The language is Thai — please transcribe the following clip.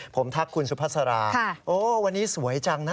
ผมทักคุณสุฟาสระค่ะโอ้ววันนี้สวยจังนะ